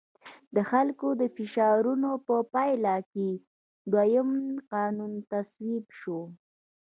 د خلکو د فشارونو په پایله کې دویم قانون تصویب شو.